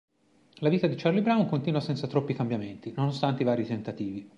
La vita di Charlie Brown continua senza troppi cambiamenti, nonostante i vari tentativi.